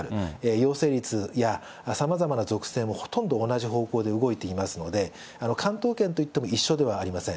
陽性率やさまざまな属性もほとんど同じ方向で動いていますので、関東圏といっても一緒ではありません。